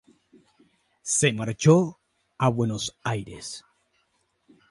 Se marchó a Buenos Aires.